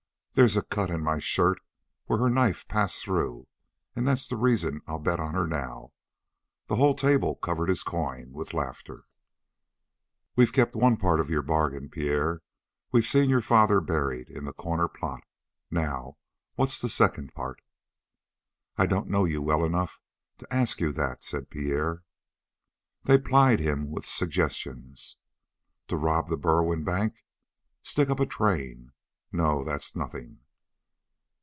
"There's a cut in my shirt where her knife passed through; and that's the reason that I'll bet on her now." The whole table covered his coin, with laughter. "We've kept one part of your bargain, Pierre. We've seen your father buried in the corner plot. Now, what's the second part?" "I don't know you well enough to ask you that," said Pierre. They plied him with suggestions. "To rob the Berwin Bank?" "Stick up a train?" "No. That's nothing."